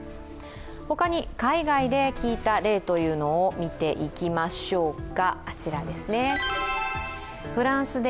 他に海外で聞いた例というのを見ていきましょうか。